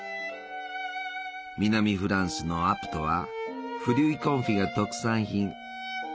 南フランスのアプトはフリュイ・コンフィが特産品。